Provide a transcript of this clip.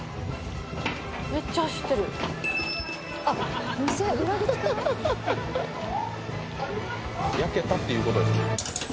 ・「めっちゃ走ってる」「焼けたっていうことに」